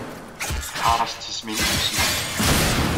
Teqqar-as d tismin i usmeɣ.